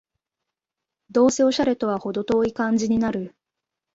どうせオシャレとはほど遠い感じになる